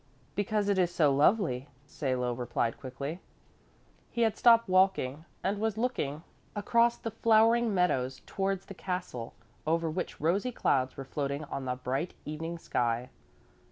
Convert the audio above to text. "Because it is so lovely," Salo replied quickly. He had stopped walking and was looking across the flowering meadows towards the castle over which rosy clouds were floating on the bright evening sky.